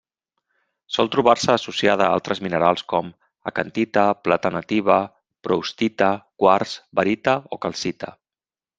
Sol trobar-se associada a altres minerals com: acantita, plata nativa, proustita, quars, barita o calcita.